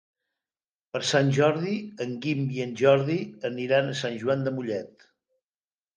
Per Sant Jordi en Guim i en Jordi aniran a Sant Joan de Mollet.